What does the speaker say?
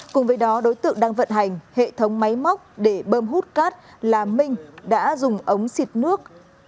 cùng với đó đối tượng đang vận hành hệ thống máy móc để bơm hút cát là minh đã dùng ống xịt nước